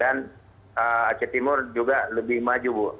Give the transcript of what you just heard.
dan aceh timur juga lebih maju bu